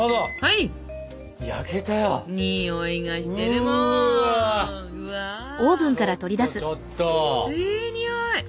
いいにおい！